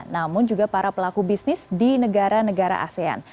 namun juga para pelaku bisnis di negara negara asean